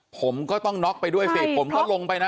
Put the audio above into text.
ผมก็ต้องน็อกไปด้วยสิผมก็ลงไปนะ